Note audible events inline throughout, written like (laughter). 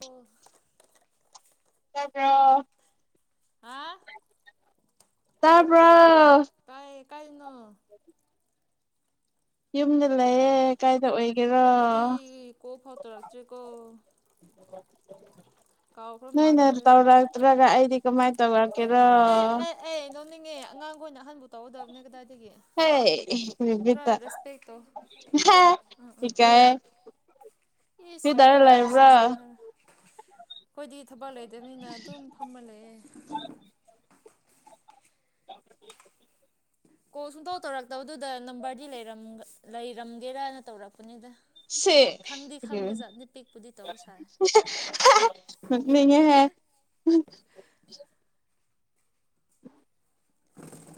ꯑꯣ ꯇꯥꯕ꯭ꯔꯣ ꯍꯥꯥ ꯇꯥꯕ꯭ꯔꯣ ꯇꯥꯏꯌꯦ ꯀꯥꯏꯗꯅꯣ ꯌꯨꯝꯗ ꯂꯩꯌꯦ ꯀꯥꯏꯗ ꯑꯣꯏꯒꯦꯔꯣ ꯑꯩꯈꯣꯏꯕꯨꯗꯤ ꯀꯣꯜ ꯐꯥꯎ ꯇꯧꯔꯛꯇ꯭ꯔꯤꯀꯣ ꯀꯥꯎꯈ꯭ꯔ ꯅꯣꯏꯅ ꯃꯥꯟꯕ꯭ꯔꯦ ꯇꯧꯔꯛꯇ꯭ꯔꯒ ꯑꯩꯗꯤ ꯀꯃꯥꯏꯅ ꯇꯧꯔꯛ ꯑꯦ ꯑꯦ ꯑꯦ ꯅꯣꯛ ꯅꯤꯡꯉꯦ ꯑꯉꯥꯡꯈꯣꯏꯅ ꯑꯍꯟꯕꯨ ꯇꯧꯒꯗꯕꯅꯦ ꯀꯗꯥꯏꯗꯒꯤ ꯑꯦ ꯈꯔ ꯔꯦꯁꯄꯦꯛ ꯇꯧ ꯎꯝ (unintelligible) ꯎꯝ ꯏꯀꯥꯏꯌꯦ ꯀꯔꯤ ꯏꯁ ꯇꯧꯔ ꯃꯤꯅ ꯂꯩꯕ꯭ꯔꯣ ꯑꯁꯦꯡ ꯑꯁꯦꯡꯕ ꯍꯥꯏꯔ ꯑꯩꯈꯣꯏꯗꯤ ꯊꯕꯛ ꯂꯩꯇꯕꯅꯤꯅ ꯑꯗꯨꯝ ꯐꯝꯃ ꯂꯩꯑꯦ ꯀꯣꯜ ꯁꯨꯡꯇꯧ ꯇꯧꯔꯛꯇꯕꯗꯨꯗ ꯅꯝꯕꯔꯗꯤ ꯂꯩꯔꯝꯒꯦꯔꯅ ꯇꯧꯔꯛꯄꯅꯤꯗ ꯁꯤ ꯈꯪꯗꯤ ꯈꯪꯕꯖꯥꯠꯅꯤ ꯄꯤꯛꯄꯨꯗꯤ ꯇꯧ ꯁꯥꯔꯦ ꯅꯣꯛꯅꯤꯡꯉꯦꯍꯦ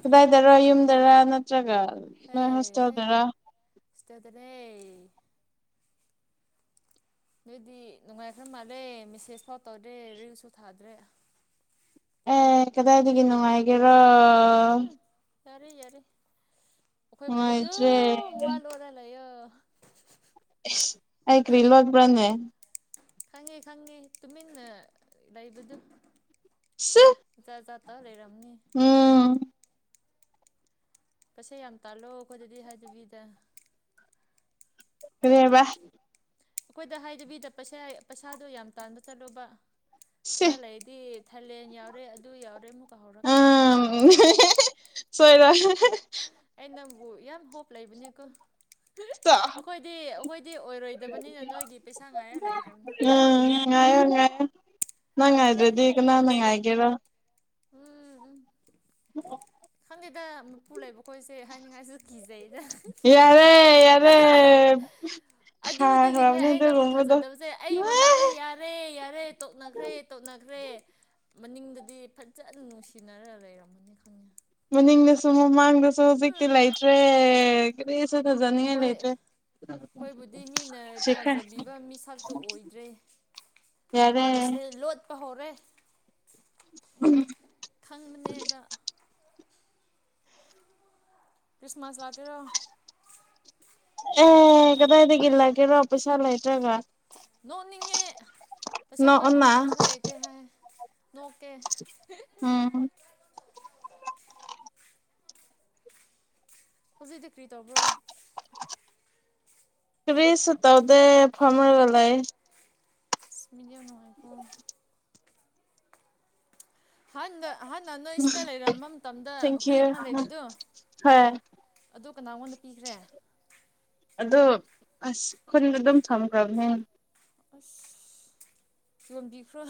ꯀꯗꯥꯏꯗꯔꯥ ꯌꯨꯝꯗꯔꯥ ꯅꯠꯇ꯭ꯔꯒ ꯍꯦ ꯅꯣꯏ ꯍꯦ ꯍꯣꯁꯇꯦꯜꯗꯔ ꯍꯣꯁꯇꯦꯜꯗꯅꯦ ꯅꯣꯏꯗꯤ ꯅꯨꯡꯉꯥꯏꯈ꯭ꯔ ꯃꯥꯜꯂꯦ ꯃꯦꯁꯦꯁ ꯐꯥꯎ ꯇꯧꯗ꯭ꯔꯦ ꯔꯤꯜꯁꯨ ꯊꯥꯗ꯭ꯔꯦ ꯑꯦ ꯀꯗꯥꯏꯗꯒꯤ ꯅꯨꯡꯉꯥꯏꯒꯦꯔꯣ ꯍꯝ ꯌꯥꯔꯦ ꯌꯥꯔꯦ ꯑꯩꯈꯣꯏꯕꯨꯗꯤ ꯅꯨꯡꯉꯥꯏꯇ꯭ꯔꯦ ꯑꯗꯨꯝ ꯋꯥ ꯂꯣꯠꯂ ꯂꯩꯌꯨꯣ ꯏꯁ ꯑꯩ ꯀꯔꯤ ꯂꯣꯠꯄꯔꯥꯅꯦ ꯈꯪꯉꯦ ꯈꯪꯉꯦ ꯇꯨꯃꯤꯟꯅ ꯂꯩꯕꯗꯨ ꯆꯥ ꯖꯠ ꯖꯠ ꯇꯧ ꯂꯩꯔꯝꯅꯤ ꯎꯝ ꯄꯩꯁꯦ ꯌꯥꯝ ꯇꯥꯜꯂꯣ ꯑꯩꯈꯣꯏꯗꯗꯤ ꯍꯥꯏꯗꯕꯤꯗ ꯀꯔꯤ ꯍꯥꯏꯕꯥ ꯑꯩꯈꯣꯏꯗ ꯍꯥꯏꯗꯕꯤꯗ ꯄꯩꯁꯥ ꯄꯩꯁꯥꯗꯣ ꯌꯥꯝ ꯇꯥꯟꯕ ꯆꯠꯂꯨꯕ ꯁꯤ ꯈꯔ ꯂꯩ ꯗꯤ ꯊꯥꯏꯂꯦꯟ ꯌꯥꯎꯔꯦ ꯑꯗꯨ ꯌꯥꯎꯔꯦ ꯑꯃꯨꯛꯀ ꯍꯧꯔꯛꯀꯅꯤ ꯎꯝ (unintelligible) ꯁꯣꯏꯔꯣꯏ ꯑ ꯅꯪꯕꯨ ꯌꯥꯝ ꯍꯣꯞ ꯂꯩꯕꯅꯤꯀꯣ ꯑꯩꯈꯣꯏꯗꯤ ꯑꯩꯈꯣꯏꯗꯤ ꯑꯣꯏꯔꯣꯏꯗꯕꯅꯤꯅ ꯅꯣꯏꯒꯤ ꯄꯩꯁꯥ ꯉꯥꯏꯔ ꯂꯩꯈ꯭ꯔꯕꯅꯤ (unintelligible) ꯅꯪꯉꯥꯏꯗ꯭ꯔꯗꯤ ꯀꯅꯥꯅ ꯉꯥꯏꯒꯦꯔꯣ ꯎꯝ ꯎ (inaudible) ꯈꯪꯗꯦꯗ ꯃꯄꯨ ꯂꯩꯕ ꯈꯣꯏꯁꯦ ꯍꯥꯏꯅꯤꯡꯉꯥꯏꯖꯨ ꯀꯤꯖꯩꯗ ꯌꯥꯔꯦ ꯌꯥꯔꯦ ꯑꯗꯨꯗꯒꯤꯅꯦ ꯈꯥꯈ꯭ꯔꯕꯅꯦ ꯑꯩ ꯅꯪꯕꯨ ꯑꯗꯨꯒꯨꯝꯕꯗꯣ ꯊꯖꯗꯕꯁꯦ ꯑꯩ ꯃꯃꯥꯡꯗ ꯌꯥꯔ ꯌꯥꯔꯦ ꯌꯥꯔꯦ ꯇꯣꯛꯅꯈ꯭ꯔꯦ ꯇꯣꯛꯅꯈ꯭ꯔꯦ ꯃꯅꯤꯡꯗꯗꯤ ꯐꯖꯅ ꯅꯨꯡꯁꯤꯅꯔ ꯂꯩꯔꯝꯃꯅꯤ ꯈꯪꯉꯦ ꯃꯅꯤꯡꯗꯁꯨ ꯃꯃꯥꯡꯗꯁꯨ ꯍꯧꯖꯤꯛꯇꯤ ꯂꯩꯇ꯭ꯔꯦ ꯀꯔꯤꯁꯨꯊꯖꯅꯤꯡꯉꯥꯏ ꯂꯩꯇ꯭ꯔꯦ ꯑꯈꯣꯏꯕꯨꯗꯤ ꯃꯤꯅ ꯁꯤꯈ꯭ꯔꯦ ꯊꯥꯖꯕꯤꯕ ꯃꯤꯁꯛꯇꯣ ꯑꯣꯏꯗ꯭ꯔꯦ ꯌꯥꯔꯦ ꯋꯥꯒꯁꯦ ꯂꯣꯠꯄ ꯍꯧꯔꯦ ꯈꯪꯕꯅꯦ ꯍꯥꯏꯕ ꯀ꯭ꯔꯤꯁꯃꯁ ꯂꯛꯇꯣꯏꯔꯣ ꯑꯦ ꯀꯗꯥꯏꯗꯒꯤ ꯂꯛꯀꯦꯔꯣ ꯄꯩꯁꯥ ꯂꯥꯏꯇꯔꯒ ꯅꯣꯛꯅꯤꯡꯉꯦ ꯄꯩꯁꯥ ꯄꯥꯏꯕ ꯅꯣꯛꯑꯣꯅ ꯈꯣꯏꯅ ꯄꯩꯁꯥ ꯂꯩꯇꯦ ꯍꯥꯏ ꯅꯣꯛꯀꯦ (unintelligible) ꯎꯝ ꯍꯧꯖꯤꯛꯗꯤ ꯀ꯭ꯔꯤ ꯇꯧꯕ꯭ꯔꯣ ꯀꯔꯤꯁꯨ ꯇꯧꯗꯦ ꯐꯝꯃꯒ ꯂꯩꯌꯦ ꯑꯁ ꯃꯤꯗꯤ ꯌꯥꯝꯅꯨꯉꯥꯏꯀꯣ ꯍꯍꯅ ꯍꯍꯅ ꯅꯣꯏ ꯁꯤꯗ ꯂꯩꯔꯝꯕ ꯃꯇꯝꯗ ꯍꯨꯏ ꯊꯦꯡꯀ꯭ꯌꯨ ꯑꯃ ꯂꯩꯕꯗꯨ ꯍꯣꯏ ꯑꯗꯨ ꯀꯅꯥꯉꯣꯟꯗ ꯄꯤꯈ꯭ꯔꯦ ꯑꯗꯣ ꯑꯁ ꯈꯨꯟꯗ ꯑꯗꯨꯝ ꯊꯝꯈ꯭ꯔꯕꯅꯦ ꯑꯁ ꯌꯟꯕꯤꯈ꯭ꯔꯣ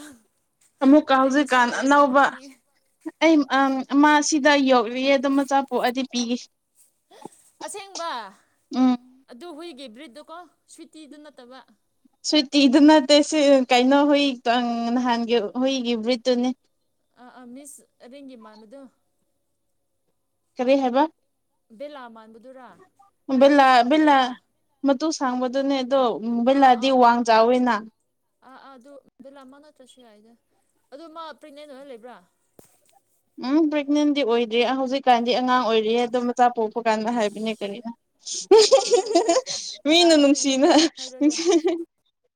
ꯑꯃꯨꯛꯀ ꯍꯧꯖꯤꯛꯀꯥꯟ ꯑꯅꯧꯕ ꯄꯤꯒꯦ ꯑꯩ ꯑꯪ ꯑꯃꯥꯁꯤꯗ ꯌꯣꯛꯔꯤꯌꯦ ꯑꯗꯨ ꯃꯆꯥ ꯄꯣꯛꯑꯗꯤ ꯄꯤꯒꯦ ꯑꯁꯦꯡꯕ ꯎꯝ ꯑꯗꯨ ꯍꯨꯏꯒꯤ ꯕ꯭ꯔꯤꯠꯇꯣ ꯀꯣ ꯁꯨꯏꯇꯤꯗꯨ ꯅꯠꯇꯕ ꯁꯨꯏꯇꯤꯗꯨ ꯅꯠꯇꯦ ꯁꯤ ꯀꯩꯅꯣ ꯍꯨꯏ ꯅꯍꯥꯟꯒꯤ ꯍꯨꯏꯒꯤ ꯕ꯭ꯔꯤꯠꯇꯨꯅꯦ ꯑꯥ ꯑꯥ ꯃꯤꯁ ꯔꯦꯡꯒꯤ ꯃꯥꯟꯕꯗꯣ ꯀꯔꯤ ꯍꯥꯏꯕ ꯕꯦꯂꯥ ꯃꯥꯟꯕꯗꯨꯔꯥ ꯃꯇꯨ ꯕꯦꯂꯥ ꯕꯦꯂꯥ ꯁꯥꯡꯕꯗꯨꯔꯥ ꯃꯇꯨ ꯁꯥꯡꯕꯗꯨꯅꯦ ꯑꯗꯣ ꯑꯥ ꯕꯤꯂꯥꯗꯤ ꯑꯥ ꯑꯥ ꯋꯥꯡ ꯑꯥ ꯆꯥꯎꯋꯤꯅ ꯑꯥ ꯑꯥ ꯑꯗꯨ ꯕꯦꯂꯥꯃ ꯅꯠꯇ꯭ꯔꯁꯨ ꯌꯥꯏꯗ ꯑꯗꯨ ꯃꯥ ꯄ꯭ꯔꯦꯒꯅꯦꯟ ꯑꯣꯏꯔꯥ ꯂꯩꯕ꯭ꯔꯥ꯫ ꯎꯝ ꯄ꯭ꯔꯦꯒꯅꯦꯟꯗꯤ ꯑꯣꯏꯗ꯭ꯔꯤ ꯍꯧꯖꯤꯛꯀꯥꯟꯗꯤ ꯑꯉꯥꯡ ꯑꯣꯏꯔꯤꯌꯦ ꯑꯗꫭ ꯃ ꯆꯆꯥ ꯄꯣꯛꯄ ꯀꯥꯟꯗ ꯏꯁ ꯍꯥꯏꯕꯅꯦ ꯀꯔꯤꯔ ꯌꯥꯔꯦ ꯃꯤꯅ ꯑꯩꯗꯤ ꯄ꯭ꯔꯦꯒꯅꯦꯟ ꯅꯨꯡꯁꯤꯅ ꯑꯣꯏꯕ꯭ꯔꯥ ꯍꯥꯏꯔꯒ (unintelligible)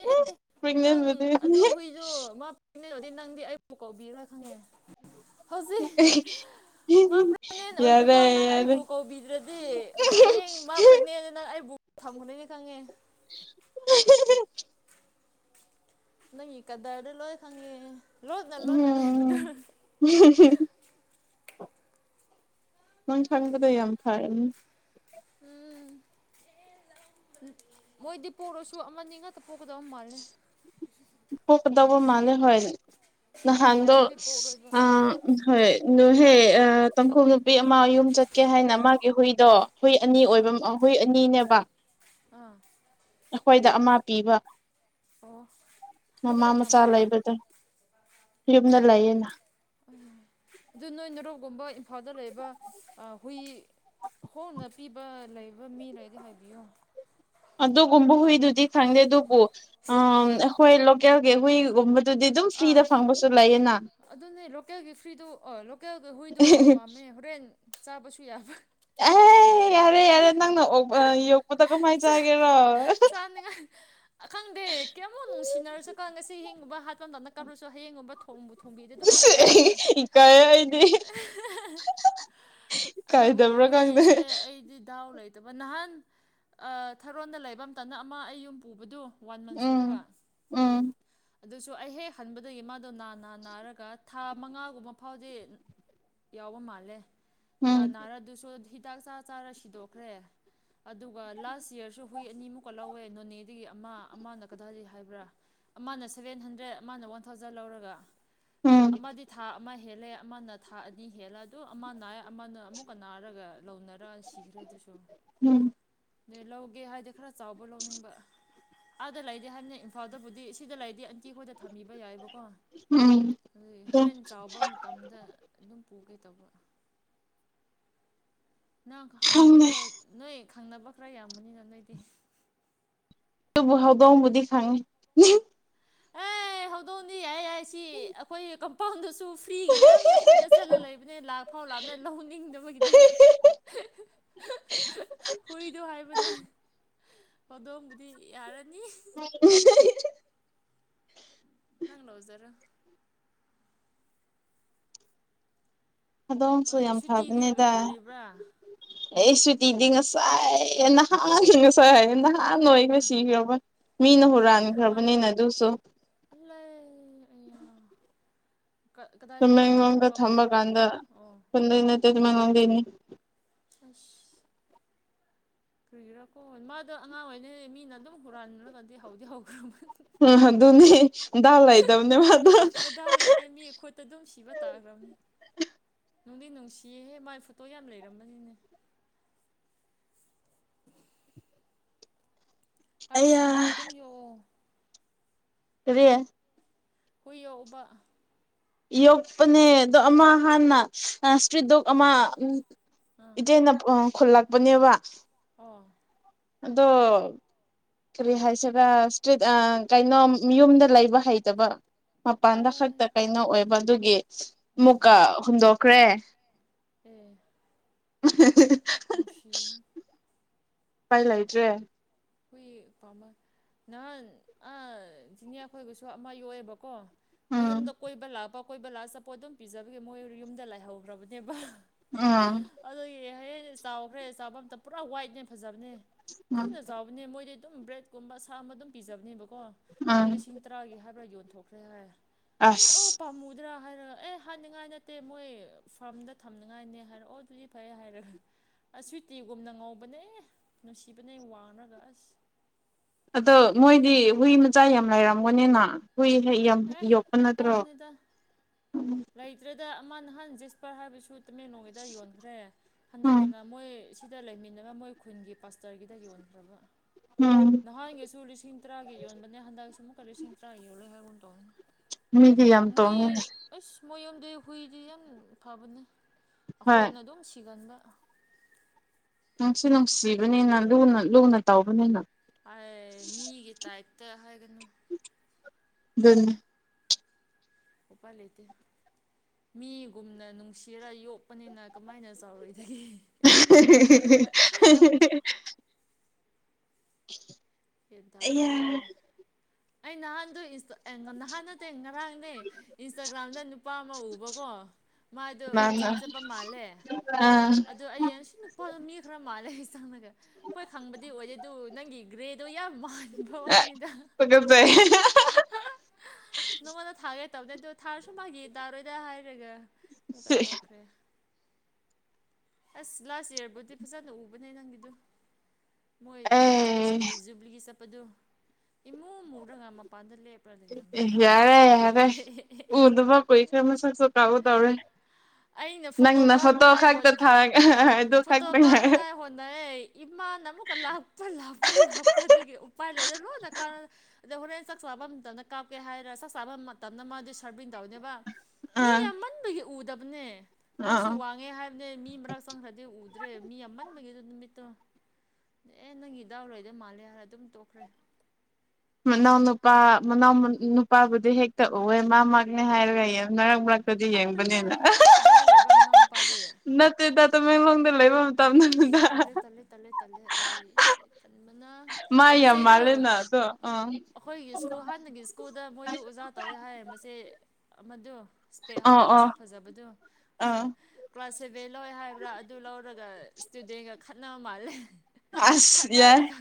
ꯑꯦ ꯅꯪ ꯄ꯭ꯔꯦꯒꯅꯦꯟꯕꯨꯗꯤ ꯑꯗꯨ ꯍꯨꯏꯗꯣ ꯃꯥ (inaudible) ꯍꯧꯖꯤꯛ ꯃꯥ ꯄ꯭ꯔꯦꯒꯅꯦꯟ ꯌꯥꯔꯦ ꯑꯣꯏꯗ꯭ꯔꯤꯐꯥꯎ ꯅꯪ ꯌꯥꯔꯦ ꯑꯩꯕꯨ ꯕꯤꯗ꯭ꯔꯗꯤ ꯍꯌꯦꯡ ꯃꯥ ꯄ꯭ꯔꯦꯒꯅꯦꯟꯗ ꯅꯪ ꯑꯩꯕꯨ ꯊꯝꯈꯅꯅꯦ ꯈꯪꯉꯦ꯫ (unintelligible) ꯅꯪꯒꯤ ꯀꯗꯥꯔꯗ ꯂꯣꯏ ꯈꯪꯉꯦꯑꯦ꯫ (unintelligible) ꯅꯪ ꯈꯪꯕꯗꯣ ꯌꯥꯝ ꯐꯥꯔꯝꯅꯤ꯫ (unintelligible) ꯃꯣꯏꯗꯤ ꯄꯣꯛꯔꯁꯨ ꯑꯃꯅꯤ ꯉꯥꯛꯇ ꯄꯣꯛꯀꯗꯕ ꯃꯥꯜꯂꯦ꯫ ꯄꯣꯛꯀꯗꯧꯕ ꯃꯥꯜꯂꯦ ꯍꯣꯏ ꯅꯍꯥꯟꯗꯣ ꯌꯥꯝꯗꯤ ꯄꯣꯛꯔꯣꯏꯕ ꯑꯥ ꯎꯝ ꯍꯣꯏ ꯗꯣꯍꯦ ꯑ ꯇꯥꯡꯈꯨꯜ ꯅꯨꯄꯤ ꯑꯃ ꯌꯨꯝ ꯆꯠꯀꯦ ꯍꯥꯏꯅ ꯃꯥꯒꯤ ꯍꯨꯏꯗꯣ ꯍꯨꯏ ꯑꯅꯤ ꯑꯣꯏꯕ ꯍꯨꯏ ꯑꯅꯤꯅꯦꯕ꯫ ꯎ꯫ ꯑꯩꯈꯣꯏꯗ ꯑꯃ ꯄꯤꯕ꯫ ꯑꯣ꯫ ꯑꯗꯨ ꯃꯃꯥ ꯀꯗꯥꯏ ꯃꯆꯥ ꯊꯝꯈ꯭ꯔꯦ ꯂꯩꯕꯗꯣ ꯌꯨꯝꯗ ꯂꯩꯌꯦꯅ꯫ ꯑꯗꯨ ꯅꯣꯏ ꯅꯨꯔꯨꯞꯒꯨꯝꯕ ꯏꯝꯐꯥꯜꯗ ꯂꯩꯕ ꯑꯥ ꯍꯨꯏ ꯍꯣꯡꯅ ꯄꯤꯕ ꯂꯩꯕ ꯃꯤ ꯂꯩꯔꯗꯤ ꯍꯥꯏꯕꯤꯌꯣ꯫ ꯑꯗꯨꯒꯨꯝꯕ ꯍꯨꯏꯗꯨꯗꯤ ꯈꯥꯡꯗꯦ ꯑꯗꯨꯕꯨ ꯑꯥꯝ ꯑꯩꯈꯣꯏ ꯂꯣꯀꯦꯜꯒꯤ ꯍꯨꯏꯒꯨꯝꯕ ꯑꯝ ꯑꯥ ꯐ꯭ꯔꯤꯗ ꯐꯪꯕꯁꯨ ꯂꯩ꯫ ꯑꯗꯨꯅꯦ ꯂꯣꯀꯦꯜꯒꯤ ꯐ꯭ꯔꯤꯗꯨ ꯑꯣ ꯂꯣꯀꯦꯜꯒꯤ ꯍꯨꯏꯗꯨ ꯑꯣꯏꯅ ꯄꯥꯝꯃꯦ ꯍꯣꯔꯦꯟ ꯆꯥꯕꯁꯨ ꯌꯥꯕ꯫ ꯑꯦꯍꯦ ꯌꯥꯔꯦ-ꯌꯥꯔꯦ ꯅꯪꯅ ꯑꯣꯛꯄ ꯑ ꯌꯣꯛꯄꯗꯣ ꯀꯃꯥꯏ ꯆꯥꯒꯦꯔꯣ꯫ ꯆꯥꯟꯅꯤꯡꯉꯥꯏ ꯑ ꯈꯪꯗꯦ ꯀꯌꯥꯃꯨꯛ ꯅꯨꯡꯁꯤꯅꯔꯁꯨꯀꯣ ꯉꯁꯤ ꯏꯍꯤꯡꯒꯨꯝꯕ ꯍꯥꯠꯄ ꯉꯝꯃꯛꯀ꯭ꯔꯕꯁꯨ ꯍꯥꯌꯦꯡꯒꯨꯝꯕ ꯊꯣ ꯊꯣꯡꯕꯨ ꯊꯣꯡꯕꯤꯔꯗꯤ ꯑꯗꯨꯝ ꯆꯥꯏ ꯑꯩꯗꯤ꯫ ꯏꯀꯥꯏ ꯑꯩꯗꯤ ꯑꯗꯨꯕꯨ ꯏꯀꯥꯏꯗꯕ꯭ꯔꯥ ꯈꯪꯗꯦ ꯍꯨꯏꯁꯦ ꯑꯩꯗꯤ ꯗꯥꯎ ꯂꯩ ꯇꯕ ꯅꯍꯥꯟ ꯑ ꯊꯔꯣꯟꯗ ꯂꯩꯕ ꯃꯇꯝꯗ ꯑꯃ ꯑꯩ ꯌꯨꯝ ꯄꯨꯕꯗꯨ ꯋꯥꯟ ꯃꯟ ꯎꯝ ꯁꯨꯔꯒ꯫ ꯎꯝ꯫ ꯑꯗꯨꯁꯨ ꯑꯩ ꯍꯦꯛ ꯍꯟꯕꯗꯒꯤ ꯃꯥꯗꯣ ꯅꯥ-ꯅꯥ-ꯅꯥꯔꯒ ꯊꯥ ꯃꯉꯥꯒꯨꯝꯕ ꯐꯥꯎꯗꯤ ꯌꯥꯎꯕ ꯃꯥꯜꯂꯦ ꯎꯝ ꯅꯥ-ꯅꯥꯔ ꯗꯨꯁꯨ ꯍꯤꯗꯥꯛ ꯆꯥ ꯆꯥꯔ ꯁꯤꯗꯣꯛꯈ꯭ꯔꯦ꯫ ꯑꯗꯨꯒ ꯂꯥꯁ ꯌꯦꯔꯁꯨ ꯍꯨꯏ ꯑꯅꯤꯃꯨꯛꯀ ꯂꯧꯋꯦ ꯅꯣꯅꯦꯗꯒꯤ ꯑꯃ ꯑꯃꯅ ꯀꯗꯥꯏꯗꯒꯤ ꯍꯥꯏꯕ꯭ꯔꯥ꯫ ꯑꯃꯅ ꯁꯕꯦꯟ ꯍꯟꯗ꯭ꯔꯦꯠ ꯑꯃꯅ ꯋꯟ ꯊꯥꯎꯖꯟ ꯂꯧꯔꯒ ꯎꯝ ꯑꯃꯗꯤ ꯊꯥ ꯑꯃ ꯍꯦꯜꯂꯦ ꯑꯃꯅ ꯊꯥ ꯑꯅꯤ ꯍꯦꯜꯂ ꯑꯗꯨ ꯑꯃ ꯅꯥꯑꯦ꯫ ꯑꯃꯅ ꯑꯃꯨꯛꯀ ꯅꯥꯔꯒ ꯂꯧꯅꯔ ꯁꯤꯈ꯭ꯔꯦ ꯑꯗꯨꯁꯨ ꯎꯝ ꯗꯨꯏ ꯂꯧꯒꯦ ꯍꯥꯏꯗꯤ ꯈꯔ ꯆꯥꯎꯕ ꯂꯧꯅꯤꯡꯕ ꯑꯥꯗ ꯂꯩꯗꯤ ꯍꯥꯏꯕꯅꯦ ꯏꯝꯐꯥꯜꯗꯕꯨꯗꯤ ꯁꯤꯗ ꯂꯩꯗꯤ ꯑꯟꯇꯤ ꯍꯣꯏꯗ ꯊꯝꯕꯤꯕ ꯌꯥꯏꯕꯀꯣ ꯎꯝ ꯑꯗꯨꯒꯤ ꯑꯗꯨꯝ ꯍꯣꯔꯦꯟ ꯆꯥꯎꯕ ꯃ ꯇꯝꯗ ꯑꯗꯨꯝ ꯄꯨꯒꯦ ꯇꯧꯕ꯫ ꯅꯪ ꯈ ꯍꯪꯕꯤꯌꯣ ꯈꯪꯉꯦ ꯅꯣꯏ ꯈꯪꯅꯕ ꯈ꯭ꯔ ꯌꯥꯝꯕꯅꯤꯅ ꯅꯣꯏꯗꯤ꯫ ꯇꯨꯕꯨ ꯍꯧꯗꯣꯡꯕꯨꯗꯤ ꯈꯪꯉꯤ꯫ ꯍꯦ ꯍꯧꯗꯣꯡꯗꯤ ꯌꯥꯏ ꯌꯥꯏ ꯁꯤ ꯑꯈꯣꯏ ꯀꯝꯄꯥꯎꯟꯗꯁꯨ ꯐ꯭ꯔꯤꯒꯤ ꯌꯥꯝ ꯃꯊꯟꯗ ꯆꯠꯂ ꯂꯩꯕꯅꯦ ꯂꯥꯛ ꯐꯥꯎ ꯂꯥꯛꯅꯦ ꯂꯧꯅꯤꯡꯗꯕꯒꯤꯅꯤ ꯍꯨꯏꯗꯣ ꯍꯥꯏꯕꯅꯦ ꯍꯧꯗꯣꯡꯕꯨꯗꯤ ꯌꯥꯔꯅꯤ꯫ (unintelligible) ꯅꯪ ꯂꯧꯖꯔꯣ ꯍꯣꯗꯣꯡꯁꯨ ꯍꯣꯏ ꯌꯥꯝ ꯁꯨꯇꯤꯗꯤ ꯐꯕꯅꯦꯗ꯫ ꯐꯔꯤꯕ꯭ꯔꯥ ꯑꯩ ꯁꯨꯇꯤꯗꯤ ꯉꯁꯥꯏ ꯅꯍꯥꯟ ꯉꯁꯥꯏ ꯍꯥꯏꯌꯦ ꯅꯍꯥꯟ ꯍꯥꯟ ꯅꯣꯏꯈ꯭ꯔꯦ ꯎꯝ ꯁꯤꯈ꯭ꯔꯕ ꯃꯤꯅ ꯑꯦ ꯀꯃꯥꯏ ꯍꯨꯔꯥꯟꯈ꯭ꯔꯕꯅꯤꯅ ꯑꯗꯨꯁꯨ (unintelligible) ꯑꯌꯥ ꯀ ꯀꯗꯥꯏꯗꯒꯤ ꯇꯃꯦꯂꯣꯡꯗ ꯍꯨꯔꯥꯟꯈ꯭ꯔꯕ ꯊꯝꯕ ꯀꯥꯟꯗ ꯈꯨꯟꯗꯒꯤꯔ ꯑꯣ ꯈꯨꯟꯗꯩ ꯅꯠꯇꯦ ꯇꯃꯦꯂꯣꯡꯗꯩꯅꯤ꯫ ꯑꯁ ꯀꯔꯤꯒꯤꯔꯀꯣ ꯃꯥꯗꯣ ꯑꯉꯥꯡ ꯑꯣꯏꯔꯤꯉꯩ ꯃꯤꯅ ꯑꯗꯨꯝ ꯍꯨꯔꯥꯟꯔꯒꯥꯗꯤ ꯍꯧꯗꯤ ꯍꯧꯈ꯭ꯔꯕ ꯎꯝ ꯑꯗꯨꯅꯦ ꯗꯥꯎ ꯂꯩꯇꯕꯅꯦ ꯃꯥꯗꯣ ꯗꯥꯎ ꯂꯩꯇꯦ ꯃꯤ ꯑꯩꯈꯣꯢ ꯐꯠꯇ ꯑꯗꯨꯝ ꯁꯤꯕ ꯇꯥꯈ꯭ꯔꯕꯅꯤ ꯅꯨꯡꯗꯤ ꯅꯨꯡꯁꯤꯌꯦꯍꯦ ꯃꯥꯥꯏ ꯐꯣꯇꯣ ꯌꯥꯝ ꯂꯩꯔꯝꯕꯅꯤꯅꯦ (unintelligible) ꯑꯗꯨꯁꯨ ꯑꯩꯌꯥ ꯍꯨꯏ ꯑꯗꯨꯝ ꯌꯣꯛꯑꯣ ꯀꯔꯤ ꯍꯨꯏ ꯌꯣꯛꯄ ꯌꯣꯛꯄꯅꯦ ꯑꯗꯣ ꯑꯃ ꯍꯥꯟꯅ ꯏꯁꯇ꯭ꯔꯤꯠ ꯗꯣꯛ ꯑꯃ ꯑꯪ ꯏꯆꯦꯅ ꯈꯨꯜꯂꯛꯄꯅꯦꯕ ꯑꯣ ꯑꯗꯣ ꯀꯔꯤ ꯍꯥꯏꯁꯤꯔ ꯏꯁꯇ꯭ꯔꯤꯠ ꯀꯩꯅꯣ ꯌꯨꯝꯗ ꯂꯩꯕ ꯍꯩꯇꯕ ꯃꯄꯥꯟꯗ ꯑꯩ ꯈꯛꯇ ꯀꯩꯅꯣ ꯑꯣꯏꯕ ꯑꯗꯨꯒꯤ ꯑꯃꯨꯛꯀ ꯍꯨꯟꯗꯣꯛꯈ꯭ꯔꯦ ꯎꯝ ꯎ (unintelligible) ꯅꯨꯡꯁꯤꯕꯅꯦ ꯎꯄꯥꯢ ꯂꯩꯗ꯭ꯔꯦ ꯍꯨꯢ ꯄꯥꯝꯃꯦ ꯅꯍꯥꯟ ꯖꯤꯅꯤꯌꯥ ꯈꯣꯏꯒꯁꯨ ꯑꯃ ꯌꯣꯛꯑꯦꯕꯀꯣ ꯎꯝ ꯃꯣꯏꯌꯨꯝꯗ ꯀꯣꯏꯕ ꯂꯥꯛꯄ ꯀꯣꯏꯕ ꯂꯥꯛꯑ ꯆꯄꯣꯠ ꯑꯗꯨꯝ ꯄꯤꯖꯕꯒꯤ ꯃꯣꯏ ꯌꯨꯝꯗ ꯂꯩꯍꯧꯈ꯭ꯔꯕꯅꯦꯕ ꯎꯝ ꯑꯗꯨꯒꯤ ꯍꯌꯦꯡ ꯆꯥꯎꯈ꯭ꯔꯦ ꯆꯥꯕ ꯑꯝꯇ ꯄꯨꯔꯥ ꯋꯥꯏꯠꯅꯦ ꯐꯖꯕꯅꯦ ꯎꯝ ꯊꯨꯅ ꯅꯦ ꯃꯣꯏꯗꯤ ꯑꯗꯨꯝ ꯕ꯭ꯔꯦꯗꯀꯨꯝꯕ ꯁꯥꯕ ꯑꯗꯨꯝ ꯄꯤꯖꯕꯅꯦꯕꯀꯣ ꯑꯗꯨ ꯎꯝ ꯂꯤꯁꯤꯡ ꯇꯔꯥꯒꯤ ꯍꯥꯏꯕ꯭ꯔꯥ ꯌꯣꯟꯊꯣꯛꯈ꯭ꯔꯦ ꯍꯥꯏ ꯑꯗꯨ ꯑꯥ ꯑꯁ ꯄꯥꯝꯃꯨꯗ꯭ꯔꯥ ꯗ꯭ꯔꯥ ꯍꯥꯏꯔꯒ ꯑꯦ ꯍꯥꯏꯅꯤꯡꯉꯥꯏ ꯅꯠꯇꯦ ꯃꯣꯏ ꯐꯥꯔꯝꯗ ꯊꯝꯅꯤꯡꯉꯥꯏꯅꯦ ꯍꯥꯏꯔꯦ ꯑꯣ ꯑꯗꯨꯗꯤ ꯐꯩ ꯍꯥꯏꯔꯒ ꯑꯁ ꯁꯨꯏꯇꯤꯒꯨꯝꯅ ꯉꯧꯕꯅꯦ ꯅꯨꯡꯁꯤꯕꯅꯦ ꯋꯥꯡꯂꯒ ꯑꯁ ꯑꯗꯣ ꯃꯣꯏꯗꯤ ꯍꯨꯏ ꯃꯆꯥ ꯌꯥꯝ ꯂꯩꯔꯝꯒꯅꯤꯅ ꯍꯨꯏ ꯌꯥꯝ ꯑꯦ ꯌꯣꯛꯄ ꯅꯠꯇ꯭ꯔꯣ ꯅꯨꯄꯥꯅꯤꯗ ꯎꯝ ꯂꯩꯇ꯭ꯔꯦꯗ ꯑꯃ ꯅꯍꯥꯟ ꯖꯤꯁꯄꯥꯔ ꯍꯥꯏꯕꯁꯨ ꯇꯨꯃꯦꯡꯂꯣꯡꯉꯩꯗ ꯌꯣꯟꯈ꯭ꯔꯦ ꯎꯝ ꯍꯟꯗꯛꯀꯤꯅ ꯃꯣꯏ ꯁꯤꯗ ꯂꯩꯃꯤꯟꯅꯕ ꯃꯣꯏ ꯈꯨꯟꯒꯤ ꯄꯥꯁꯇ꯭ꯔꯒꯤꯗ ꯌꯣꯟꯈ꯭ꯔꯕꯥ ꯎꯝ ꯅꯍꯥꯟꯒꯤꯁꯨ ꯂꯤꯁꯤꯡ ꯇꯔꯥꯒꯤ ꯌꯣꯟꯕꯅꯦ ꯍꯟꯗꯛꯁꯨ ꯑꯃꯨꯛꯀ ꯂꯤꯁꯤꯡ ꯇꯔꯥ ꯌꯣꯜꯂꯦ ꯍꯥꯏꯒꯨꯝ ꯇꯧꯅꯦ ꯃꯤꯗꯤ ꯌꯥꯝ ꯃꯣꯏ ꯇꯣꯡꯉꯤꯅꯦ ꯑꯦꯁ ꯃꯣꯏ ꯌꯨꯝꯗꯤ ꯍꯨꯏꯗꯤ ꯌꯥꯝ ꯐꯕꯅꯦ ꯍꯣꯏ ꯑꯩꯈꯣꯏꯅ ꯑꯗꯨꯝ ꯁꯤꯒꯟꯕ꯫ ꯅꯨꯡꯁꯨ ꯅꯨꯡꯁꯤꯕꯅꯤꯅ ꯂꯨꯅ ꯂꯨꯅ ꯇꯥꯎꯧꯕꯅꯤꯅ꯫ ꯑꯥꯏ ꯃꯤꯒꯤ ꯇꯥꯏꯞꯇ ꯍꯥꯏꯒꯅꯨ꯫ ꯗꯨꯅꯤ꯫ ꯎꯄꯥꯏ ꯂꯩꯇꯦ꯫ ꯃꯤꯒꯨꯝꯅ ꯅꯨꯡꯁꯤꯔ ꯌꯣꯛꯄꯅꯤꯅ ꯀꯃꯥꯏꯅ ꯆꯥꯎꯔꯣꯏꯗꯒꯦ꯫ (unintelligible) (unintelligible) ꯑꯦꯟ ꯑꯌꯥ ꯇꯥꯗ꯭ꯔꯦ ꯑꯩ ꯅꯍꯥꯟꯗꯨ ꯏꯟꯁꯇ ꯑꯦ ꯅꯍꯥꯟ ꯅꯠꯇꯦ ꯉꯔꯥꯡꯅꯦ ꯏꯟꯁꯇꯥꯒ꯭ꯔꯥꯝꯗ ꯅꯨꯄꯥ ꯑꯃ ꯎꯕꯀꯣ꯫ ꯃꯥꯗꯣ ꯃꯥꯅ ꯖꯤꯝ ꯆꯠꯄ ꯃꯥꯜꯂꯦ ꯑ ꯑꯗꯣ ꯑꯩ ꯑꯁꯤ ꯅꯨꯄꯥꯗ ꯃꯤ ꯈꯔ ꯃꯥꯜꯂꯦ ꯆꯪꯔꯒ ꯍꯣꯏ ꯈꯪꯕꯗꯤ ꯑꯣꯏꯗꯦ ꯑꯗꯨ ꯅꯪꯒꯤ ꯒ꯭ꯔꯦ ꯑꯗꯨ ꯌꯥꯝ ꯃꯥꯟꯕ ꯋꯥꯅꯤꯗ꯫ ꯇꯨꯀꯠꯆꯩ ꯅꯉꯣꯟꯗ ꯊꯥꯒꯦ ꯇꯧꯕꯅꯦ ꯑꯗꯨ ꯊꯥꯔꯁꯨꯨꯝ ꯃꯥꯒꯦ ꯇꯥꯔꯣꯏꯗ ꯍꯥꯏꯔꯒ꯫ ꯃꯨꯛꯀ ꯇꯣꯛꯈ꯭ꯔꯦ꯫ ꯑꯁ ꯂꯥꯁ ꯌꯦꯔꯕꯨꯗꯤ ꯐꯖꯅ ꯎꯕꯅꯦ ꯅꯪꯒꯤꯗꯨ꯫ ꯃꯣꯏ ꯑꯦ ꯆꯔꯆꯀꯤ ꯖꯨꯕ꯭ꯂꯤꯒꯤ ꯆꯠꯄꯗꯨ ꯏꯃꯨ ꯃꯨꯔꯒ ꯃꯄꯥꯟꯗ ꯂꯦꯞ ꯑꯦ ꯌꯥꯔꯦ ꯌꯥꯔꯦ ꯎꯗꯨꯃ ꯀꯨꯏꯈ꯭ꯔꯦ ꯃꯁꯛꯁꯨ ꯀꯥꯎꯒꯇꯧꯔꯦ꯫ ꯑꯩꯅ ꯐꯣꯇꯣ ꯀꯥꯞꯅꯉꯥꯏ ꯍꫭꯠ ꯊꯥꯔꯒ ꯑꯗꯨ ꯐꯣꯇꯣ ꯈꯛꯇ ꯉꯥꯏꯔꯦ ꯀꯥꯞꯅꯉꯥꯏ ꯍꯣꯠꯅꯔꯦ꯫ ꯏꯃꯥꯅ ꯑꯃꯨꯛꯀ ꯂꯥꯛꯄ ꯂꯥꯛꯄ ꯂꯥꯛꯄꯗꯨꯒꯤ ꯎꯄꯥꯏ ꯂꯩꯔ ꯂꯣꯏꯅ ꯀꯥꯔ ꯑꯗꯣ ꯍꯣꯔꯦꯟ ꯆꯥꯛ ꯆꯥꯕ ꯃꯇꯝꯗ ꯀꯥꯞꯀꯦ ꯍꯥꯏꯔ ꯆꯥꯛ ꯆꯥꯕ ꯃꯇꯝꯗ ꯃꯥꯗꯤ ꯁꯥꯔꯚꯤꯡ ꯇꯧꯅꯦꯕ꯫ ꯃꯤ ꯑꯥ ꯌꯥꯝꯃꯟꯕꯒꯤ ꯎꯗꯕꯅꯦ ꯃꯥꯁꯨ ꯑꯥ ꯋꯥꯡꯉꯦ ꯍꯥꯏꯕꯅꯦ ꯃꯤ ꯃꯔꯛ ꯆꯪꯈ꯭ꯔ ꯊꯤ ꯎꯗ꯭ꯔꯦ ꯃꯤ ꯌꯥꯝꯃꯟꯕꯒꯤ ꯗꯨ ꯅꯨꯃꯤꯠꯇꯣ꯫ ꯑꯦ ꯅꯪꯒꯤ ꯗꯥꯎ ꯂꯩꯗ ꯃꯥꯜꯂꯦ ꯍꯥꯏꯔ ꯑꯗꯨꯝ ꯇꯣꯛꯈ꯭ꯔꯦ꯫ ꯃꯅꯥꯎ ꯅꯨꯄꯥ ꯃꯅꯥꯎ ꯅꯨ ꯅꯤꯄꯥꯕꯨꯗꯤ ꯍꯦꯛꯛꯇ ꯎꯑꯦ ꯃꯥ ꯃꯛꯅꯦ ꯀꯗꯥ ꯍꯥꯏꯔꯒ ꯅꯔꯛ ꯃꯔꯛ ꯀꯗꯤ ꯌꯦꯡꯕꯅꯦꯅ ꯑꯄꯜꯂꯥꯏ ꯀꯗꯥꯏꯗ ꯂꯩꯕ ꯃꯅꯥꯎ ꯅꯨꯄꯥꯗꯤ ꯅꯠꯇꯦꯗ ꯇꯃꯦꯡꯂꯣꯡꯗ ꯂꯩꯕ ꯑꯦꯁ ꯃꯇꯝꯗꯨꯗ ꯇꯜꯂꯦ ꯇꯜꯂꯦ ꯇꯜꯂꯦ ꯇꯜꯂꯦ ꯑꯩ ꯇꯟꯕꯅ ꯃꯥ ꯌꯥꯝ ꯃꯆꯩꯗꯨ ꯃꯥꯜꯂꯦꯅ ꯑꯗꯣ ꯑꯥ ꯑꯩꯈꯣꯏꯒꯤ ꯁ꯭ꯀꯨꯜ ꯍꯥꯟꯅꯒꯤ ꯁ꯭ꯀꯨꯜꯗ ꯃꯣꯏꯗꫭ ꯑꯣꯖꯥ ꯇꯧꯋꯦ ꯍꯥꯏ ꯃꯆꯦ ꯑꯃꯗꯨ꯫ ꯁ꯭ꯄꯦꯛ ꯑꯥ ꯍꯥꯞꯔ ꯑꯥ ꯃꯁꯛ ꯐꯖꯕꯗꯨ ꯑꯥ ꯀ꯭ꯂꯥꯁ ꯁꯦꯚꯦꯟ ꯂꯧ ꯍꯥꯏꯕ꯭ꯔꯥ ꯑꯗꯨ ꯗ ꯏꯁ꯭ꯇꯨꯗꯦꯟꯒ ꯈꯠꯅꯕ ꯃꯥꯜꯂꯦ ꯑꯁ ꯌꯥꯏ ꯈꯠꯅꯔꯒ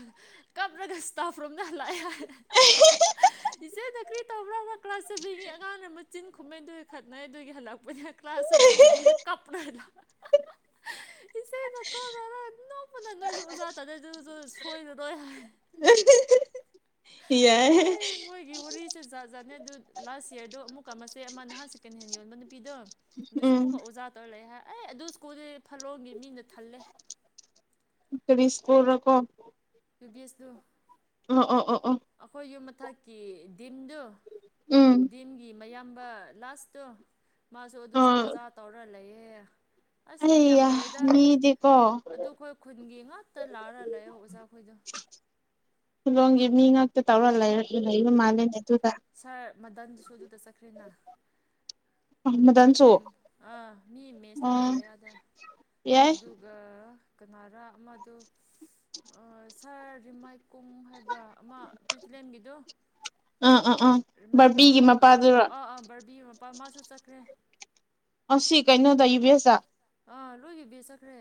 ꯀꯞ꯭ꯔꯒ ꯏꯁ꯭ꯇꯥꯐ ꯔꯨꯝꯗ ꯍꯜꯂꯛꯑꯦ ꯍꯥꯏ ꯏꯆꯦꯅ ꯀ꯭ꯔꯤ ꯇꯧꯕ꯭ꯔꯣ ꯀ꯭ꯂꯥꯁ ꯁꯕꯦꯟꯒꯤ ꯑꯉꯥꯡꯅ ꯃꯆꯤꯟ ꯈꯨꯝꯃꯦ ꯗꯨꯏ ꯈꯠꯅꯩ ꯑꯗꯨꯒꯤ ꯍꯜꯂꯛꯄꯅꯤ ꯍꯥꯏ ꯀ꯭ꯂꯥꯁꯁꯨ ꯂꯣꯏꯗꯕꯤꯗ ꯀꯞꯔꯒ ꯂꯥ ꯏꯆꯦꯅ ꯀꫭꯜ ꯇꯧꯔꯒ ꯅꯣꯛꯄꯅ ꯅꯣꯏꯁꯨ ꯑꯣꯖꯥ ꯇꯥꯅꯗꯨꯏꯁꯨ ꯁꯣꯏꯔꯔꯣꯏ ꯍꯥꯏ꯫ ꯌꯥꯏ ꯑꯦ ꯃꯣꯏꯒꯤ ꯋꯥꯔꯤ ꯁꯦ ꯖꯥꯠ ꯖꯥꯠꯅꯦ ꯑꯗꯨ ꯂꯥꯁ ꯌꯦꯔꯗꯣ ꯑꯃꯨꯛꯀ ꯃꯆꯦ ꯑꯃ ꯅꯍꯥꯟ ꯁꯦꯀꯦꯟ ꯍꯦꯟ ꯌꯣꯟꯕ ꯅꯨꯄꯤꯗꯨ꯫ ꯑꯗꯨꯁꯨ ꯎꯝ ꯑꯃꯨꯛꯀ ꯑꯣꯖꯥ ꯇꯧꯔ ꯂꯩ ꯍꯥꯏ ꯑꯦ ꯑꯗꯨ ꯁ꯭ꯀꯨꯜꯗꯤ ꯐꯂꯣꯝꯒꯤ ꯃꯤꯅ ꯊꯜꯂꯦ꯫ ꯀꯔꯤ ꯁ꯭ꯀꯨꯜꯔꯀꫭ꯫ ꯗꯤ ꯕꯤ ꯑꯦꯁ ꯗꯨ꯫ ꯑꯣ ꯑꯣ ꯑꯣ ꯑꯣ꯫ ꯑꯩꯈꯣꯏ ꯌꯨꯝ ꯃꯊꯛꯀꯤ ꯗꯤꯝꯗꯨ ꯎꯝ ꯗꯤꯝꯒꯤ ꯃꯌꯥꯝꯕ ꯂꯥꯁ ꯇꯨ ꯃꯥꯁꯨ ꯑꯗꯨꯁꯨ ꯑꯣ ꯑꯣꯖꯥ ꯇꯧꯔ ꯂꯩꯌꯦ ꯍꯥꯏꯌꯦ꯫ ꯑꯁ ꯃꯤ ꯌꯥꯝ ꯑꯩꯌꯥ ꯇꯧꯋꯦꯗ ꯃꯤꯗꯤꯀꯣ ꯑꯗꯨ ꯈꯣꯏ ꯈꯨꯟꯒꯤ ꯉꯥꯛꯇ ꯂꯥꯛꯔ ꯂꯩꯑꯦ ꯑꯣꯖꯥꯈꯣꯏꯗꯣ꯫ ꯁꯤꯂꯣꯡꯒꯤ ꯃꯤ ꯉꯥꯛꯇ ꯇꯧꯔ ꯂꯩꯔ ꯂꯩꯕ ꯎꯝ ꯃꯥꯜꯂꯦꯅꯦ ꯑꯗꯨꯗ꯫ ꯁꯥꯔ ꯃꯗꯟꯗꯨꯁꯨ ꯑꯗꯨꯗ ꯆꯠꯈ꯭ꯔꯦꯅ꯫ ꯃꯗꯟꯁꯨ ꯔꯤꯀꯂꯦꯝ ꯑꯥ ꯃꯤ ꯃꯦꯁ ꯑꯣ ꯂꯧꯔ ꯂꯩ ꯌꯥꯗꯦ ꯌꯥꯏ ꯑꯗꯨꯒ ꯀꯅꯥꯔ ꯑꯃꯗꯣ ꯁꯥꯔ ꯔꯤꯃꯥꯏ ꯀꯨꯝ ꯍꯥꯏꯕ꯭ꯔꯥ ꯑꯃ ꯄ꯭ꯔꯤꯇꯂꯦꯝꯒꯤꯗꯨ ꯎꯝ ꯎꯝ ꯃꯥꯏꯀꯣꯡ ꯍꯥꯡꯒꯣꯝ ꯑꯥ ꯑꯥ ꯕꯔꯕꯤ ꯃꯄꯥ ꯃꯥꯁꯨ ꯆꯠꯈ꯭ꯔꯦ ꯁꯤ ꯀꯩꯅꯣꯗ (unintelligible) ꯑꯥ ꯂꯣꯏꯒꯤ ꯕꯦꯁ ꯆꯠꯈ꯭ꯔꯦ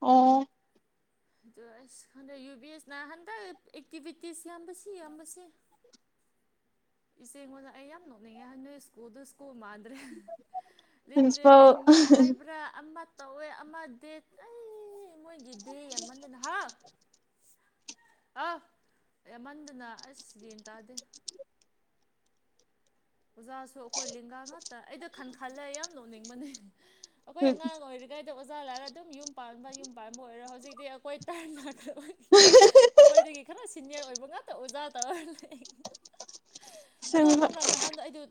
ꯑꯣ (inaudible) ꯑꯗꯣ ꯑꯁ ꯈꯪꯗꯦ ꯍꯟꯗꯛ ꯌꯨ ꯕꯤ ꯑꯦꯁꯅ ꯍꯟꯗꯛ ꯑꯦꯛꯇꯤꯚꯤꯇꯤꯁ ꯌꯥꯝꯕꯁꯤ ꯌꯥꯝꯕꯁꯤ ꯏꯆꯦ ꯑꯩꯉꯣꯟꯅ ꯑꯩ ꯌꯥꯝ ꯅꯣꯛꯅꯤꯡꯉꯦ ꯅꯣꯏ ꯁ꯭ꯀꯨꯜ ꯁ꯭ꯀꯨꯜ ꯃꯥꯜ ꯄ꯭ꯔꯤꯟꯁꯤꯄꯥꯜ ꯂꯤꯇ꯭ꯔꯦꯂꯤ ꯃꯤꯠ ꯍꯥꯏꯕ꯭ꯔꯥ ꯑꯃ ꯇꯧꯋꯦ ꯑꯃ ꯗꯦꯠ ꯑꯩ ꯃꯣꯏꯒꯤ ꯗꯦ ꯌꯥꯝꯃꯥꯜꯗꯅ ꯍꯥꯎ ꯑ ꯌꯥꯝꯃꯟꯗꯅ ꯑꯁ ꯒ꯭ꯌꯦꯟ ꯇꯥꯗꯦ ꯑꯣꯖꯥꯁꯨ ꯑꯩꯈꯣꯏ ꯂꯦꯡꯒꯥ ꯉꯥꯛꯇ ꯑꯩꯗ ꯈꯟ ꯈꯜꯂꯦ ꯌꯥꯝ ꯅꯣꯛꯅꯤꯡꯕꯅꯦ ꯑꯩꯈꯣꯏ ꯑꯉꯥꯡ ꯑꯣꯏꯔꯤ ꯑꯣꯖꯥ ꯂꯥꯏꯔ ꯑꯗꯨꯝ ꯌꯨꯝ ꯄꯥꯟꯕ ꯌꯨꯝ ꯄꯥꯟꯕ ꯑꯣꯏꯔꯣ ꯍꯧꯖꯤꯛꯇꯤ ꯑꯩꯈꯣꯏ ꯇ (unintelligible) ꯑꯩꯈꯣꯏꯗꯒꯤ ꯈꯔ ꯁꯤꯅꯤꯌꯔ ꯑꯣꯏꯕ ꯉꯥꯛꯇ ꯑꯣꯖꯥ ꯇꯧꯔ ꯂꯩ ꯑꯗꯣ ꯈꯪꯕ꯭ꯔꯥ ꯅꯍꯥꯟꯗꯣ ꯑꯩꯗꯨ